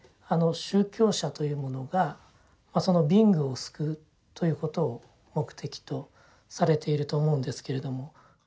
宗教者というものがその貧苦を救うということを目的とされていると思うんですけれども。